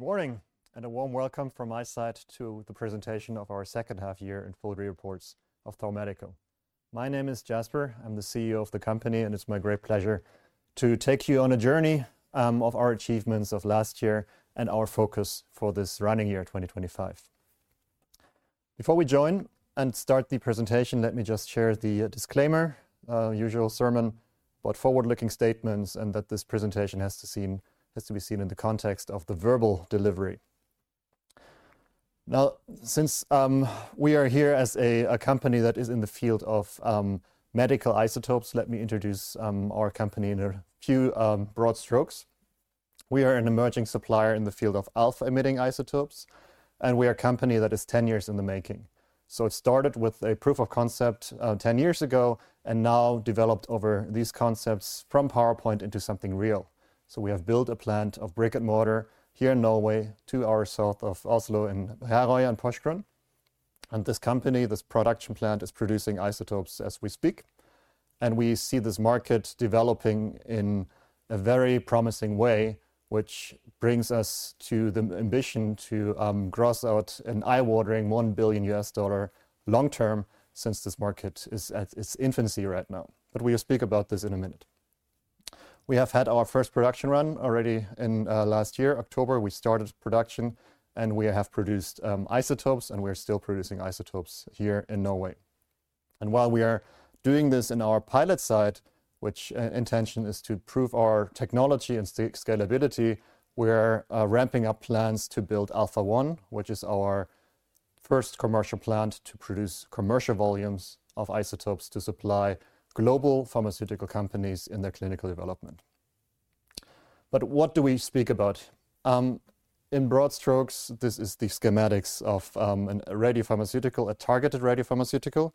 Good morning, and a warm welcome from my side to the presentation of our second half year and full reports of Thor Medical. My name is Jasper. I'm the CEO of the company, and it's my great pleasure to take you on a journey of our achievements of last year and our focus for this running year 2025. Before we join and start the presentation, let me just share the disclaimer, usual sermon, but forward-looking statements, and that this presentation has to be seen in the context of the verbal delivery. Now, since we are here as a company that is in the field of medical isotopes, let me introduce our company in a few broad strokes. We are an emerging supplier in the field of alpha-emitting isotopes, and we are a company that is 10 years in the making. It started with a proof of concept 10 years ago and now developed over these concepts from PowerPoint into something real. We have built a plant of brick and mortar here in Norway, two hours south of Oslo in Herøya and Porsgrunn. This company, this production plant, is producing isotopes as we speak. We see this market developing in a very promising way, which brings us to the ambition to gross out an eye-watering $1 billion long-term since this market is at its infancy right now. We will speak about this in a minute. We have had our first production run already in last year, October. We started production, and we have produced isotopes, and we are still producing isotopes here in Norway. While we are doing this in our pilot site, which intention is to prove our technology and scalability, we are ramping up plans to build Alpha One, which is our first commercial plant to produce commercial volumes of isotopes to supply global pharmaceutical companies in their clinical development. What do we speak about? In broad strokes, this is the schematics of a targeted radiopharmaceutical.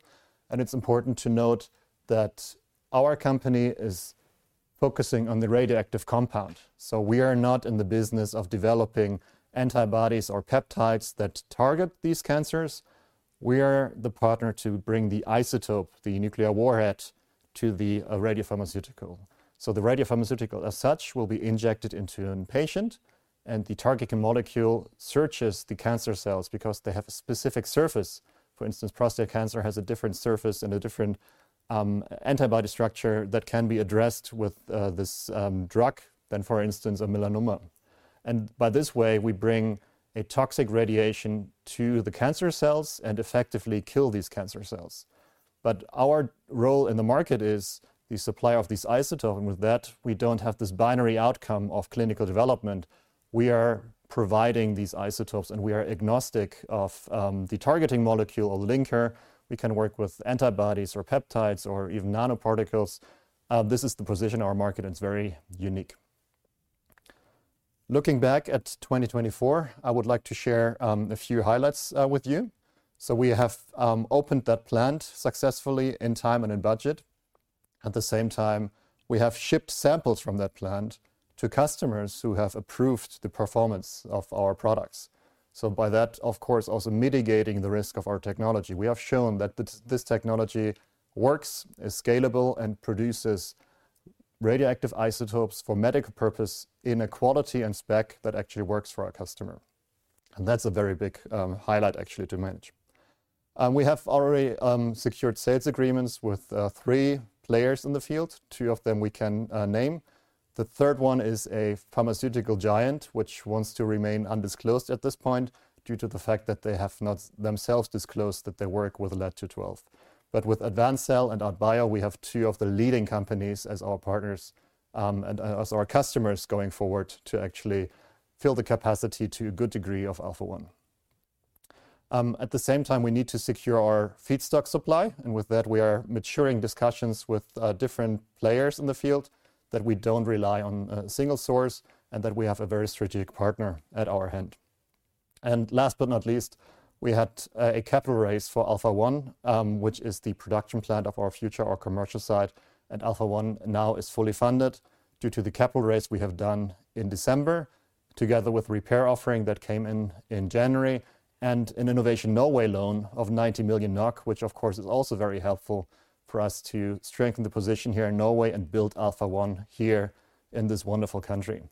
It is important to note that our company is focusing on the radioactive compound. We are not in the business of developing antibodies or peptides that target these cancers. We are the partner to bring the isotope, the nuclear warhead, to the radiopharmaceutical. The radiopharmaceutical, as such, will be injected into a patient, and the targeting molecule searches the cancer cells because they have a specific surface. For instance, prostate cancer has a different surface and a different antibody structure that can be addressed with this drug than, for instance, a melanoma. By this way, we bring a toxic radiation to the cancer cells and effectively kill these cancer cells. Our role in the market is the supply of these isotopes. With that, we do not have this binary outcome of clinical development. We are providing these isotopes, and we are agnostic of the targeting molecule or linker. We can work with antibodies or peptides or even nanoparticles. This is the position of our market, and it is very unique. Looking back at 2024, I would like to share a few highlights with you. We have opened that plant successfully in time and in budget. At the same time, we have shipped samples from that plant to customers who have approved the performance of our products. By that, of course, also mitigating the risk of our technology. We have shown that this technology works, is scalable, and produces radioactive isotopes for medical purposes in a quality and spec that actually works for our customer. That is a very big highlight, actually, to manage. We have already secured sales agreements with three players in the field. Two of them we can name. The third one is a pharmaceutical giant, which wants to remain undisclosed at this point due to the fact that they have not themselves disclosed that they work with Lead-212. With AdvanCell and ARTBIO, we have two of the leading companies as our partners and as our customers going forward to actually fill the capacity to a good degree of Alpha One. At the same time, we need to secure our feedstock supply. With that, we are maturing discussions with different players in the field so that we do not rely on a single source and that we have a very strategic partner at our hand. Last but not least, we had a capital raise for Alpha One, which is the production plant of our future, our commercial side. Alpha One now is fully funded due to the capital raise we have done in December, together with a repair offering that came in in January and an Innovation Norway loan of 90 million NOK, which, of course, is also very helpful for us to strengthen the position here in Norway and build Alpha One here in this wonderful country.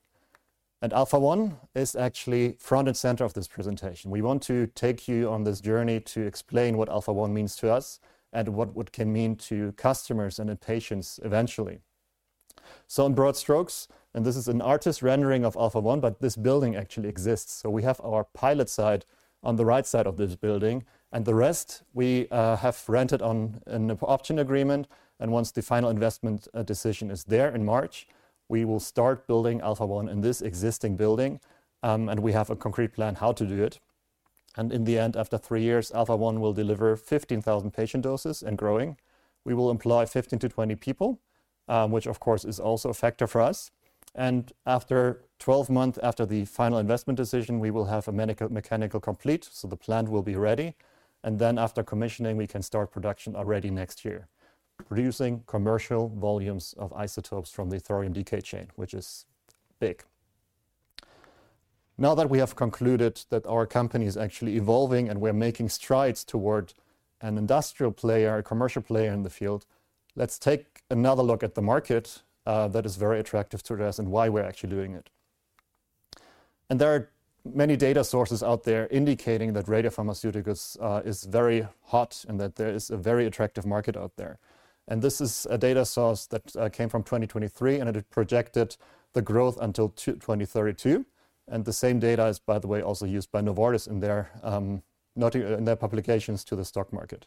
Alpha One is actually front and center of this presentation. We want to take you on this journey to explain what Alpha One means to us and what it can mean to customers and patients eventually. In broad strokes, and this is an artist's rendering of Alpha One, but this building actually exists. We have our pilot site on the right side of this building. The rest, we have rented on an option agreement. Once the final investment decision is there in March, we will start building Alpha One in this existing building. We have a concrete plan how to do it. In the end, after three years, Alpha One will deliver 15,000 patient doses and growing. We will employ 15-20 people, which, of course, is also a factor for us. After 12 months after the final investment decision, we will have a mechanical complete. The plant will be ready. After commissioning, we can start production already next year, producing commercial volumes of isotopes from the thorium decay chain, which is big. Now that we have concluded that our company is actually evolving and we're making strides toward an industrial player, a commercial player in the field, let's take another look at the market that is very attractive to us and why we're actually doing it. There are many data sources out there indicating that radiopharmaceuticals is very hot and that there is a very attractive market out there. This is a data source that came from 2023, and it projected the growth until 2032. The same data is, by the way, also used by Novartis in their publications to the stock market.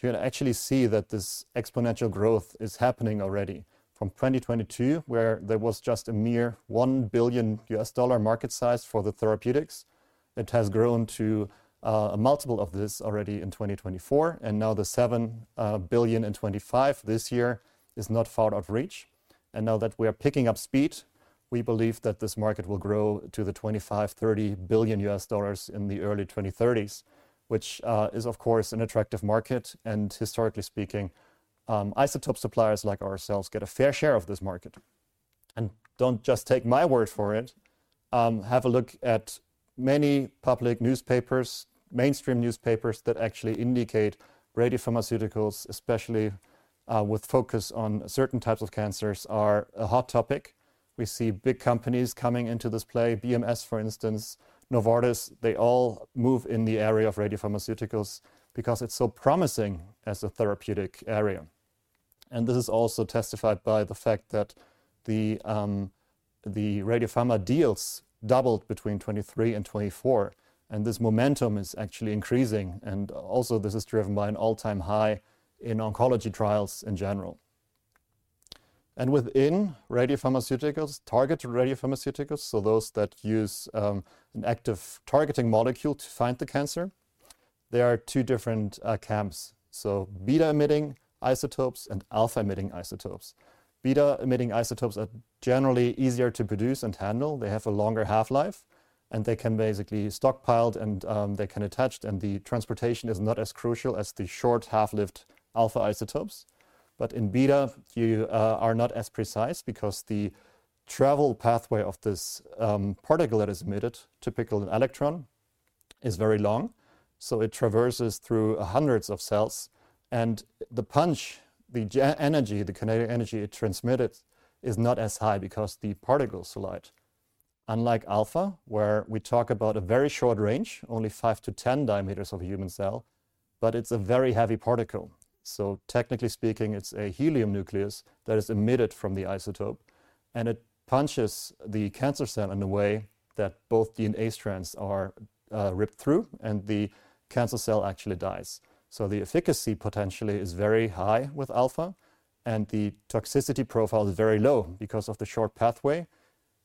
You can actually see that this exponential growth is happening already from 2022, where there was just a mere $1 billion market size for the therapeutics. It has grown to a multiple of this already in 2024. The $7 billion in 2025 this year is not far out of reach. Now that we are picking up speed, we believe that this market will grow to the $25-$30 billion in the early 2030s, which is, of course, an attractive market. Historically speaking, isotope suppliers like ourselves get a fair share of this market. Do not just take my word for it. Have a look at many public newspapers, mainstream newspapers that actually indicate radiopharmaceuticals, especially with focus on certain types of cancers, are a hot topic. We see big companies coming into this play. BMS, for instance, Novartis, they all move in the area of radiopharmaceuticals because it is so promising as a therapeutic area. This is also testified by the fact that the radiopharma deals doubled between 2023 and 2024. This momentum is actually increasing. This is driven by an all-time high in oncology trials in general. Within radiopharmaceuticals, targeted radiopharmaceuticals, so those that use an active targeting molecule to find the cancer, there are two different camps: beta-emitting isotopes and alpha-emitting isotopes. Beta-emitting isotopes are generally easier to produce and handle. They have a longer half-life, and they can basically be stockpiled, and they can be attached, and the transportation is not as crucial as the short half-lived alpha isotopes. In beta, you are not as precise because the travel pathway of this particle that is emitted, typically an electron, is very long. It traverses through hundreds of cells. The punch, the energy, the kinetic energy it transmitted is not as high because the particle is so light. Unlike alpha, where we talk about a very short range, only 5-10 diameters of a human cell, but it's a very heavy particle. Technically speaking, it's a helium nucleus that is emitted from the isotope. It punches the cancer cell in a way that both DNA strands are ripped through, and the cancer cell actually dies. The efficacy potentially is very high with alpha, and the toxicity profile is very low because of the short pathway.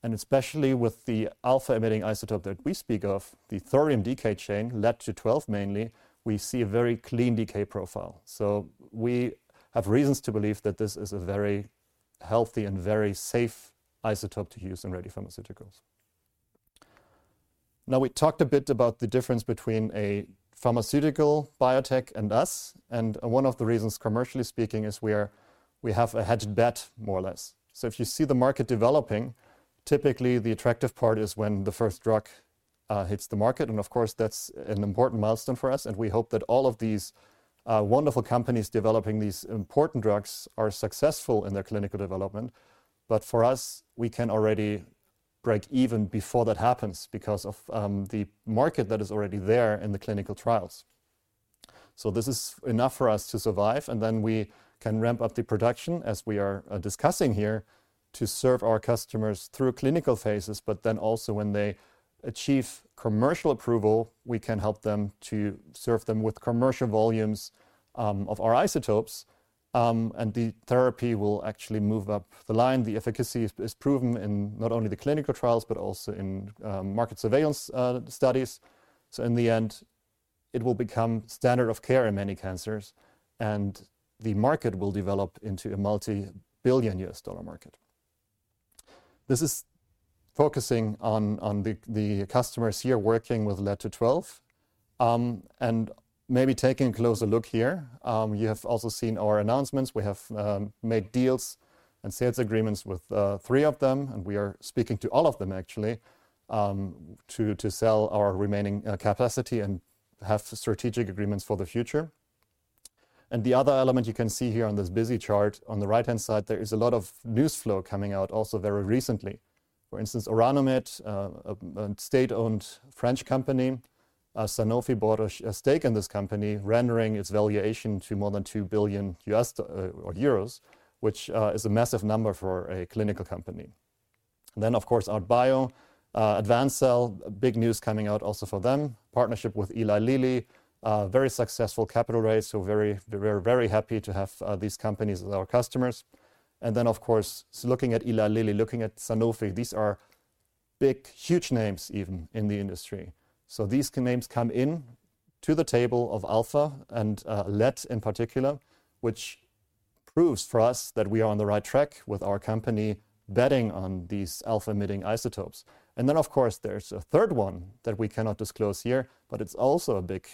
Especially with the alpha-emitting isotope that we speak of, the thorium decay chain, Lead-212 mainly, we see a very clean decay profile. We have reasons to believe that this is a very healthy and very safe isotope to use in radiopharmaceuticals. Now, we talked a bit about the difference between a pharmaceutical biotech and us. One of the reasons, commercially speaking, is we have a hedged bet, more or less. If you see the market developing, typically the attractive part is when the first drug hits the market. Of course, that is an important milestone for us. We hope that all of these wonderful companies developing these important drugs are successful in their clinical development. For us, we can already break even before that happens because of the market that is already there in the clinical trials. This is enough for us to survive. We can ramp up the production, as we are discussing here, to serve our customers through clinical phases. When they achieve commercial approval, we can help them to serve them with commercial volumes of our isotopes. The therapy will actually move up the line. The efficacy is proven in not only the clinical trials, but also in market surveillance studies. In the end, it will become standard of care in many cancers. The market will develop into a multi-billion dollar market. This is focusing on the customers here working with Lead-212. Maybe taking a closer look here, you have also seen our announcements. We have made deals and sales agreements with three of them. We are speaking to all of them, actually, to sell our remaining capacity and have strategic agreements for the future. The other element you can see here on this busy chart, on the right-hand side, is a lot of news flow coming out also very recently. For instance, Orano Med, a state-owned French company, Sanofi bought a stake in this company, rendering its valuation to more than $2 billion, which is a massive number for a clinical company. Of course, Adbio, Advanced Cell, big news coming out also for them, partnership with Eli Lilly, very successful capital raise. We are very happy to have these companies as our customers. Of course, looking at Eli Lilly, looking at Sanofi, these are big, huge names even in the industry. These names come into the table of alpha and Lead in particular, which proves for us that we are on the right track with our company betting on these alpha-emitting isotopes. Of course, there is a third one that we cannot disclose here, but it is also a big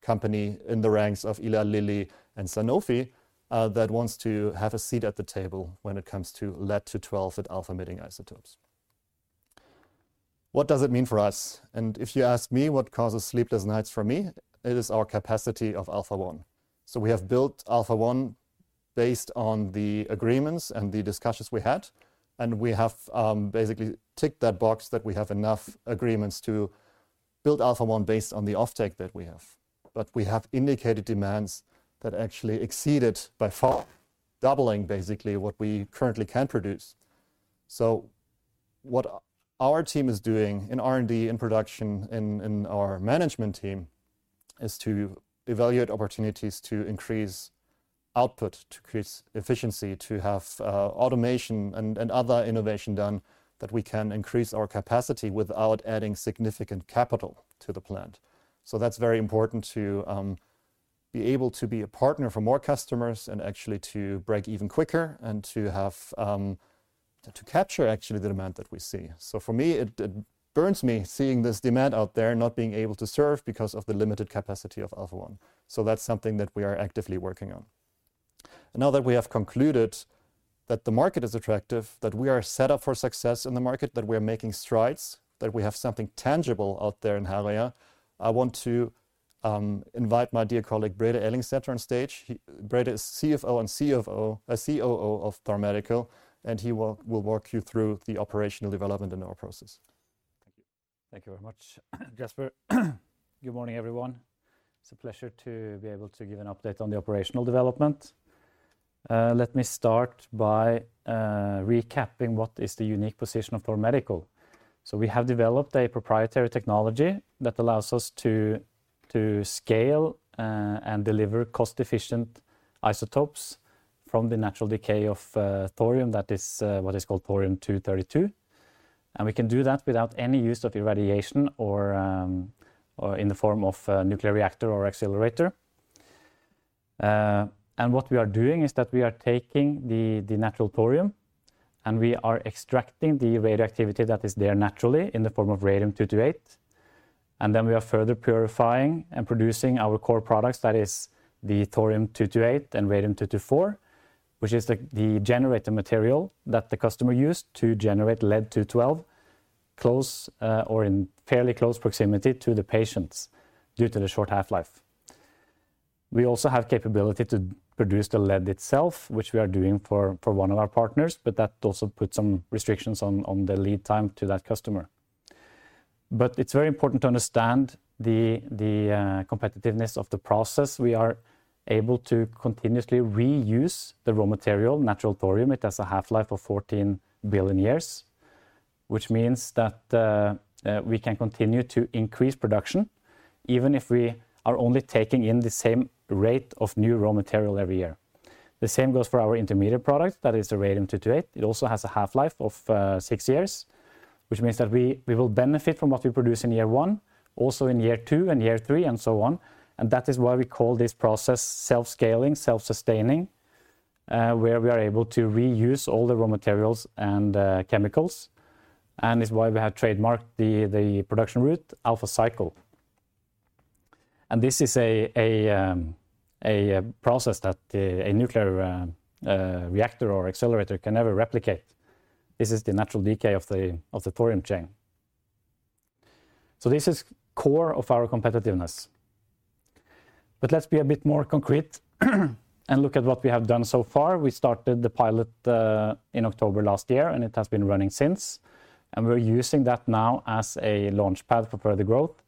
company in the ranks of Eli Lilly and Sanofi that wants to have a seat at the table when it comes to Lead-212 and alpha-emitting isotopes. What does it mean for us? If you ask me what causes sleepless nights for me, it is our capacity of Alpha One. We have built Alpha One based on the agreements and the discussions we had. We have basically ticked that box that we have enough agreements to build Alpha One based on the offtake that we have. We have indicated demands that actually exceeded by far, doubling basically what we currently can produce. What our team is doing in R&D, in production, in our management team is to evaluate opportunities to increase output, to create efficiency, to have automation and other innovation done that we can increase our capacity without adding significant capital to the plant. That is very important to be able to be a partner for more customers and actually to break even quicker and to capture actually the demand that we see. For me, it burns me seeing this demand out there not being able to serve because of the limited capacity of Alpha One. That is something that we are actively working on. Now that we have concluded that the market is attractive, that we are set up for success in the market, that we are making strides, that we have something tangible out there in Herøya, I want to invite my dear colleague, Brede Ellingsæter, on stage. Brede is CFO and COO of Thor Medical. He will walk you through the operational development in our process. Thank you very much, Jasper. Good morning, everyone. It is a pleasure to be able to give an update on the operational development. Let me start by recapping what is the unique position of Thor Medical. We have developed a proprietary technology that allows us to scale and deliver cost-efficient isotopes from the natural decay of thorium. That is what is called thorium-232. We can do that without any use of irradiation or in the form of a nuclear reactor or accelerator. What we are doing is that we are taking the natural thorium and we are extracting the radioactivity that is there naturally in the form of radium-228. We are further purifying and producing our core products that is the thorium-228 and radium-224, which is the generator material that the customer used to generate Lead-212 close or in fairly close proximity to the patients due to the short half-life. We also have the capability to produce the Lead itself, which we are doing for one of our partners, but that also puts some restrictions on the lead time to that customer. It is very important to understand the competitiveness of the process. We are able to continuously reuse the raw material, natural thorium. It has a half-life of 14 billion years, which means that we can continue to increase production even if we are only taking in the same rate of new raw material every year. The same goes for our intermediate product that is the radium-228. It also has a half-life of six years, which means that we will benefit from what we produce in year one, also in year two and year three and so on. That is why we call this process self-scaling, self-sustaining, where we are able to reuse all the raw materials and chemicals. It is why we have trademarked the production route, AlphaCycle. This is a process that a nuclear reactor or accelerator can never replicate. This is the natural decay of the thorium chain. This is the core of our competitiveness. Let us be a bit more concrete and look at what we have done so far. We started the pilot in October last year, and it has been running since. We are using that now as a launchpad for further growth,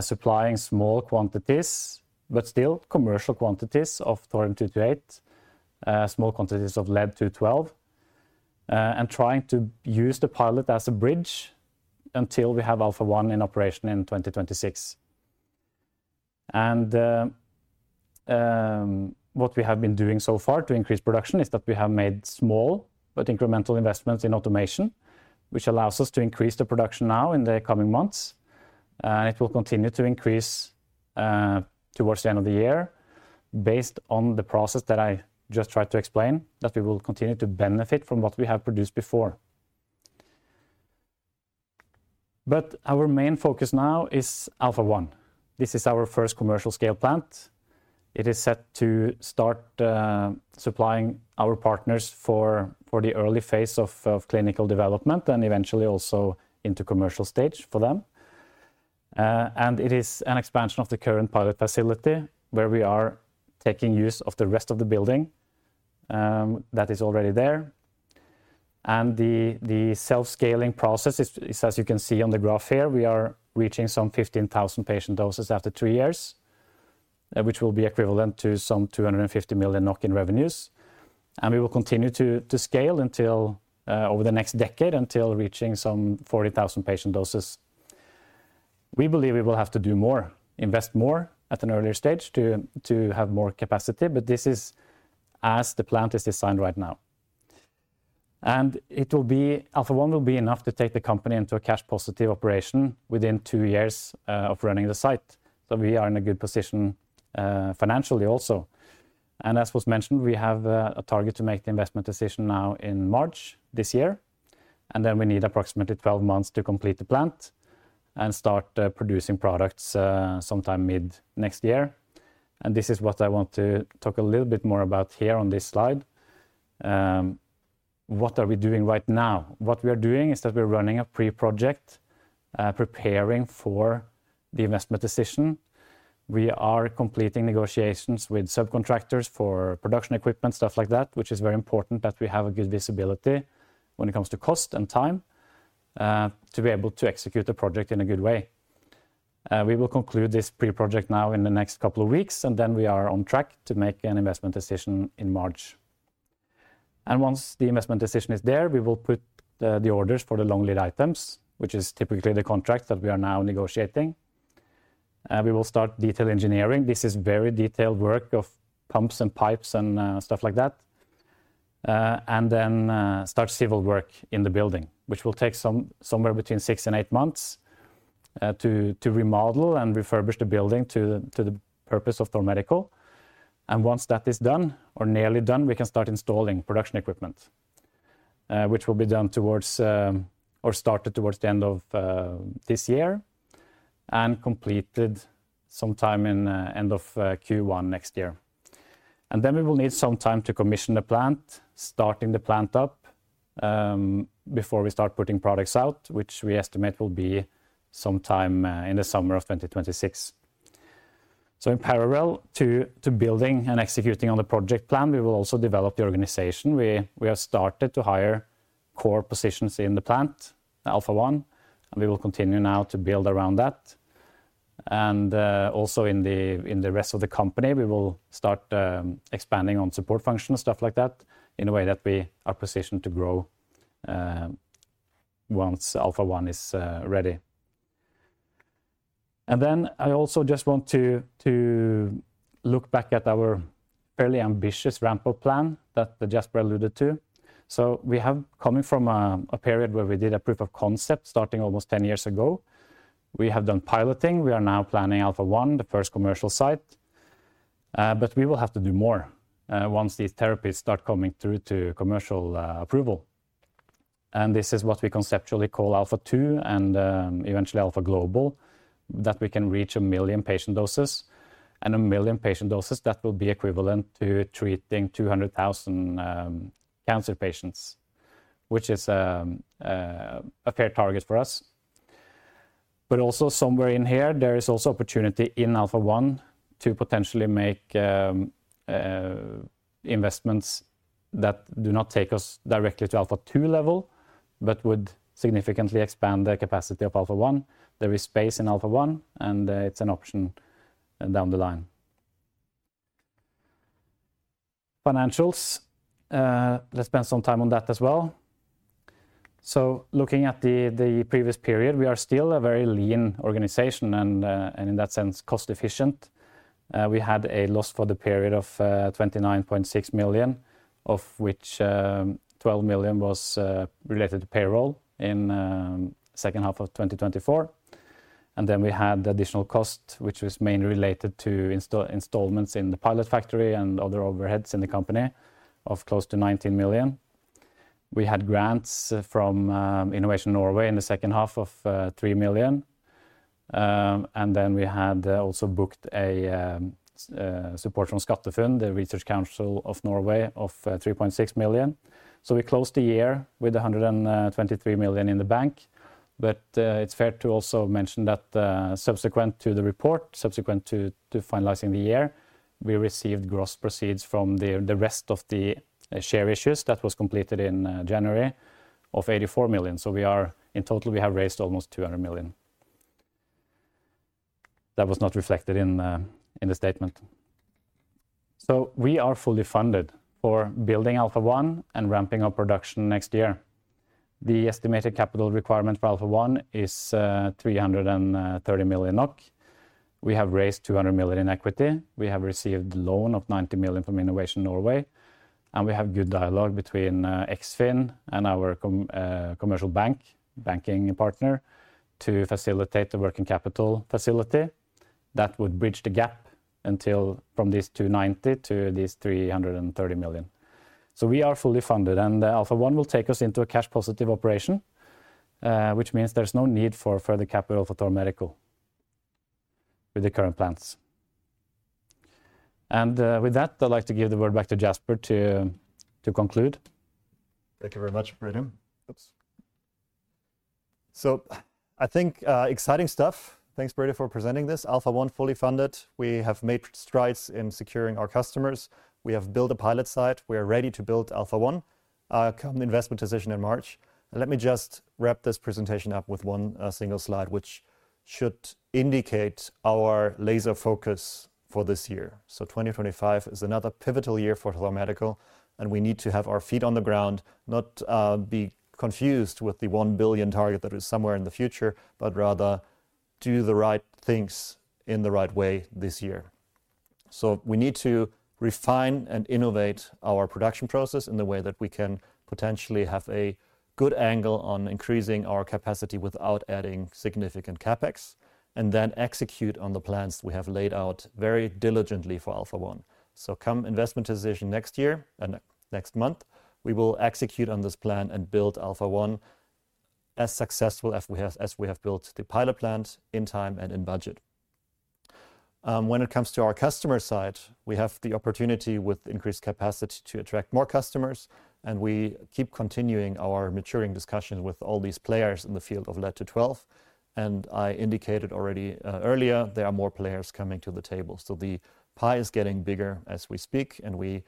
supplying small quantities, but still commercial quantities of thorium-228, small quantities of Lead-212, and trying to use the pilot as a bridge until we have Alpha One in operation in 2026. What we have been doing so far to increase production is that we have made small but incremental investments in automation, which allows us to increase the production now in the coming months. It will continue to increase towards the end of the year based on the process that I just tried to explain that we will continue to benefit from what we have produced before. Our main focus now is Alpha One. This is our first commercial scale plant. It is set to start supplying our partners for the early phase of clinical development and eventually also into commercial stage for them. It is an expansion of the current pilot facility where we are taking use of the rest of the building that is already there. The self-scaling process is, as you can see on the graph here, we are reaching some 15,000 patient doses after three years, which will be equivalent to some 250 million in revenues. We will continue to scale over the next decade until reaching some 40,000 patient doses. We believe we will have to do more, invest more at an earlier stage to have more capacity. This is as the plant is designed right now. Alpha One will be enough to take the company into a cash-positive operation within two years of running the site. We are in a good position financially also. As was mentioned, we have a target to make the investment decision now in March this year. We need approximately 12 months to complete the plant and start producing products sometime mid next year. This is what I want to talk a little bit more about here on this slide. What are we doing right now? What we are doing is that we're running a pre-project, preparing for the investment decision. We are completing negotiations with subcontractors for production equipment, stuff like that, which is very important that we have good visibility when it comes to cost and time to be able to execute the project in a good way. We will conclude this pre-project now in the next couple of weeks. We are on track to make an investment decision in March. Once the investment decision is there, we will put the orders for the long lead items, which is typically the contract that we are now negotiating. We will start detail engineering. This is very detailed work of pumps and pipes and stuff like that. We will start civil work in the building, which will take somewhere between six and eight months to remodel and refurbish the building to the purpose of Thor Medical. Once that is done or nearly done, we can start installing production equipment, which will be done towards or started towards the end of this year and completed sometime in end of Q1 next year. We will need some time to commission the plant, starting the plant up before we start putting products out, which we estimate will be sometime in the summer of 2026. In parallel to building and executing on the project plan, we will also develop the organization. We have started to hire core positions in the plant, Alpha One. We will continue now to build around that. Also in the rest of the company, we will start expanding on support functions, stuff like that, in a way that we are positioned to grow once Alpha One is ready. I also just want to look back at our fairly ambitious ramp-up plan that Jasper alluded to. We have come from a period where we did a proof of concept starting almost 10 years ago. We have done piloting. We are now planning Alpha One, the first commercial site. We will have to do more once these therapies start coming through to commercial approval. This is what we conceptually call Alpha Two and eventually Alpha Global, that we can reach a million patient doses. A million patient doses will be equivalent to treating 200,000 cancer patients, which is a fair target for us. Also, somewhere in here, there is opportunity in Alpha One to potentially make investments that do not take us directly to Alpha Two level, but would significantly expand the capacity of Alpha One. There is space in Alpha One, and it's an option down the line. Financials, let's spend some time on that as well. Looking at the previous period, we are still a very lean organization and in that sense, cost-efficient. We had a loss for the period of 29.6 million, of which 12 million was related to payroll in the second half of 2024. We had additional costs, which was mainly related to installments in the pilot factory and other overheads in the company of close to 19 million. We had grants from Innovation Norway in the second half of 3 million. We also had booked support from SkatteFUNN, the Research Council of Norway, of 3.6 million. We closed the year with 123 million in the bank. It is fair to also mention that subsequent to the report, subsequent to finalizing the year, we received gross proceeds from the rest of the share issues that was completed in January of 84 million. In total, we have raised almost 200 million. That was not reflected in the statement. We are fully funded for building Alpha One and ramping up production next year. The estimated capital requirement for Alpha One is 330 million NOK. We have raised 200 million in equity. We have received a loan of 90 million from Innovation Norway. We have good dialogue between Eksfin and our commercial banking partner to facilitate the working capital facility that would bridge the gap from these 290 million to these 330 million. We are fully funded. Alpha One will take us into a cash-positive operation, which means there is no need for further capital for Thor Medical with the current plans. With that, I'd like to give the word back to Jasper to conclude. Thank you very much, Brede. I think exciting stuff. Thanks, Brede, for presenting this. Alpha One fully funded. We have made strides in securing our customers. We have built a pilot site. We are ready to build Alpha One. Come investment decision in March. Let me just wrap this presentation up with one single slide, which should indicate our laser focus for this year. 2025 is another pivotal year for Thor Medical. We need to have our feet on the ground, not be confused with the $1 billion target that is somewhere in the future, but rather do the right things in the right way this year. We need to refine and innovate our production process in the way that we can potentially have a good angle on increasing our capacity without adding significant CapEx and then execute on the plans we have laid out very diligently for Alpha One. Come investment decision next year and next month, we will execute on this plan and build Alpha One as successful as we have built the pilot plant in time and in budget. When it comes to our customer side, we have the opportunity with increased capacity to attract more customers. We keep continuing our maturing discussions with all these players in the field of Lead-212. I indicated already earlier, there are more players coming to the table. The pie is getting bigger as we speak. We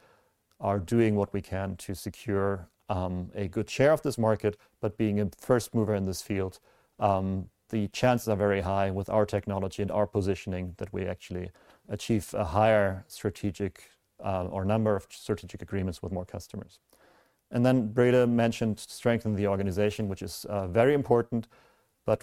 are doing what we can to secure a good share of this market, but being a first mover in this field, the chances are very high with our technology and our positioning that we actually achieve a higher strategic or number of strategic agreements with more customers. Brede mentioned strengthening the organization, which is very important.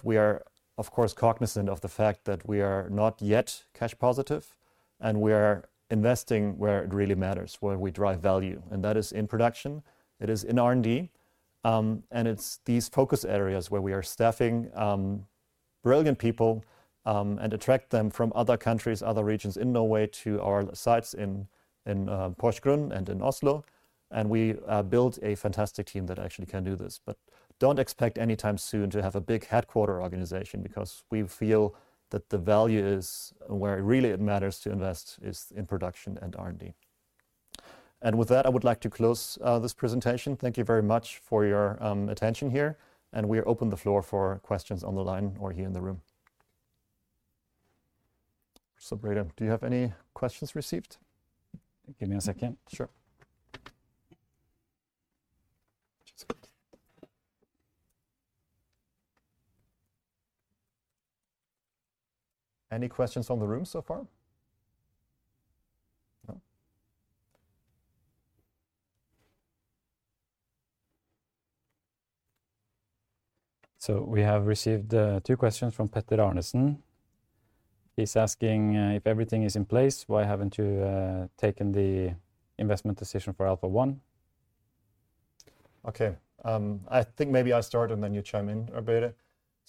We are, of course, cognizant of the fact that we are not yet cash positive. We are investing where it really matters, where we drive value. That is in production. It is in R&D. It is these focus areas where we are staffing brilliant people and attract them from other countries, other regions in Norway to our sites in Porsgrunn and in Oslo. We build a fantastic team that actually can do this. Do not expect anytime soon to have a big headquarter organization because we feel that the value is where it really matters to invest, which is in production and R&D. With that, I would like to close this presentation. Thank you very much for your attention here. We open the floor for questions on the line or here in the room. Brede, do you have any questions received? Give me a second. Sure. Any questions from the room so far? No? We have received two questions from Petter Arnesen. He's asking if everything is in place, why haven't you taken the investment decision for Alpha One? Okay. I think maybe I'll start and then you chime in, Brede.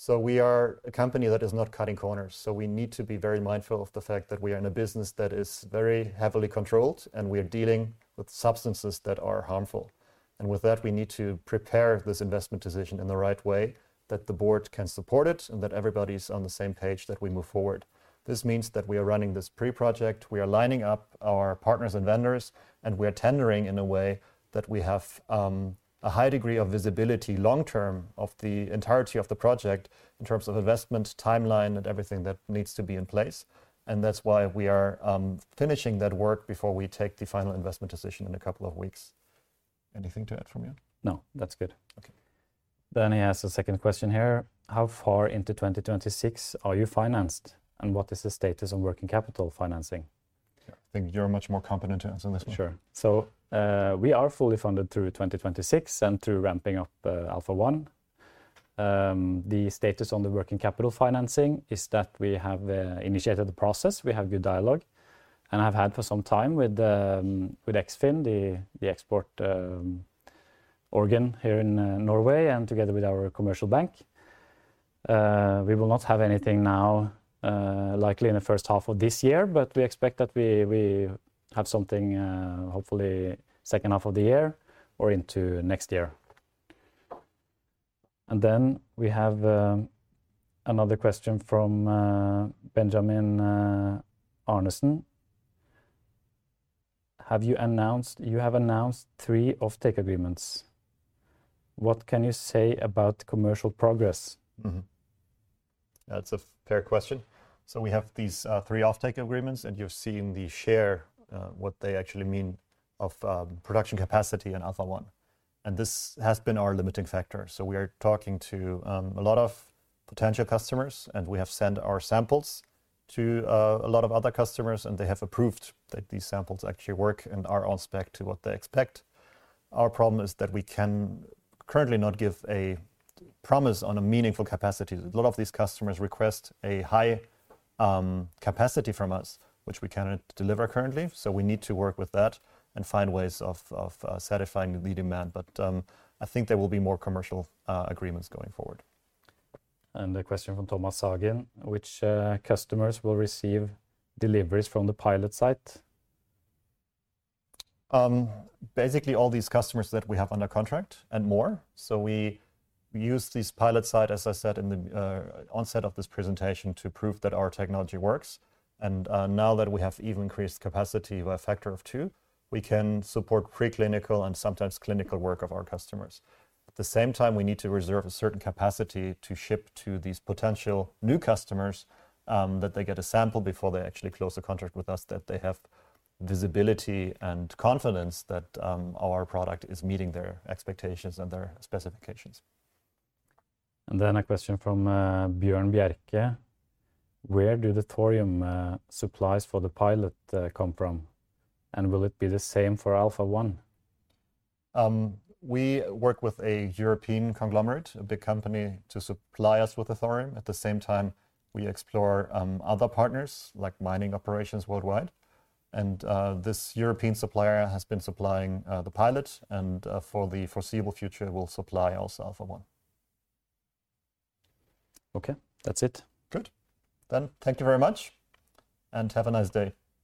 We are a company that is not cutting corners. We need to be very mindful of the fact that we are in a business that is very heavily controlled and we are dealing with substances that are harmful. With that, we need to prepare this investment decision in the right way that the board can support it and that everybody's on the same page that we move forward. This means that we are running this pre-project. We are lining up our partners and vendors. We are tendering in a way that we have a high degree of visibility long term of the entirety of the project in terms of investment timeline and everything that needs to be in place. That is why we are finishing that work before we take the final investment decision in a couple of weeks. Anything to add from you? No. That is good. He has a second question here. How far into 2026 are you financed? What is the status of working capital financing? I think you are much more competent to answer this one. Sure. We are fully funded through 2026 and through ramping up Alpha One. The status on the working capital financing is that we have initiated the process. We have good dialogue and have had for some time with Eksfin, the export organ here in Norway, and together with our commercial bank. We will not have anything now, likely in the first half of this year, but we expect that we have something hopefully second half of the year or into next year. We have another question from Benjamin Arnesen. Have you announced three offtake agreements? What can you say about commercial progress? That's a fair question. We have these three offtake agreements. You have seen the share, what they actually mean of production capacity in Alpha One. This has been our limiting factor. We are talking to a lot of potential customers. We have sent our samples to a lot of other customers. They have approved that these samples actually work and are on spec to what they expect. Our problem is that we can currently not give a promise on a meaningful capacity. A lot of these customers request a high capacity from us, which we cannot deliver currently. We need to work with that and find ways of satisfying the demand. I think there will be more commercial agreements going forward. A question from Thomas Sagen, which customers will receive deliveries from the pilot site? Basically, all these customers that we have under contract and more. We use this pilot site, as I said in the onset of this presentation, to prove that our technology works. Now that we have even increased capacity by a factor of two, we can support preclinical and sometimes clinical work of our customers. At the same time, we need to reserve a certain capacity to ship to these potential new customers that they get a sample before they actually close the contract with us, that they have visibility and confidence that our product is meeting their expectations and their specifications. A question from Bjørn Bjerke. Where do the Thorium supplies for the pilot come from? Will it be the same for Alpha One? We work with a European conglomerate, a big company, to supply us with the Thorium. At the same time, we explore other partners like mining operations worldwide. This European supplier has been supplying the pilot. For the foreseeable future, it will supply also Alpha One. Okay. That's it. Good. Thank you very much. Have a nice day.